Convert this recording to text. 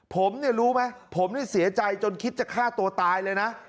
ผมเนี่ยรู้ไหมผมนี่เสียใจจนคิดจะฆ่าตัวตายเลยนะ